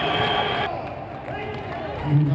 สุดท้ายสุดท้าย